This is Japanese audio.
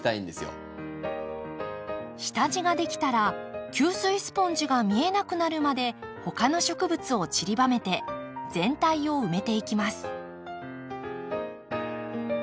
下地ができたら吸水スポンジが見えなくなるまで他の植物をちりばめて全体を埋めていきます。